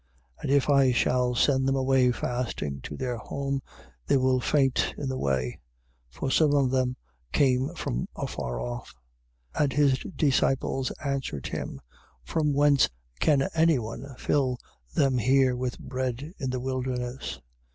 8:3. And if I shall send them away fasting to their home, they will faint in the way: for some of them came from afar off. 8:4. And his disciples answered him: From whence can any one fill them here with bread in the wilderness?